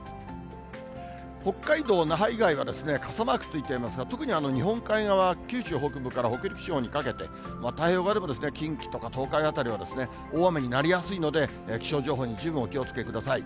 北海道、那覇以外は傘マークついてますが、特に日本海側、九州北部から北陸地方にかけて、太平洋側でも近畿とか東海辺りは、大雨になりやすいので、気象情報に十分お気をつけください。